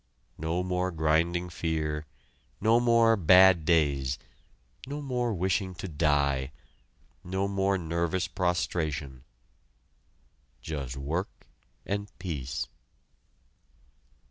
No more grinding fear, no more "bad days," no more wishing to die, no more nervous prostration. Just work and peace!